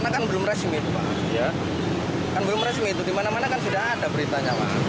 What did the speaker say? kan belum resmi itu dimana mana kan sudah ada beritanya pak